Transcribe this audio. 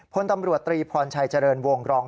พลตำรวจตรีพรชัยเจริญวงรอง